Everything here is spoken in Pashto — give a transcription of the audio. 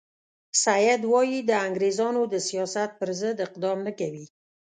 سید وایي د انګریزانو د سیاست پر ضد اقدام نه کوي.